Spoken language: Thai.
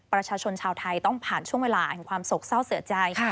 ประชาชนชาวไทยต้องผ่านช่วงเวลาแห่งความโศกเศร้าเสียใจ